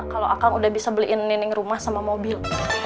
kalau akang udah bisa beliin nining rumah sama mobil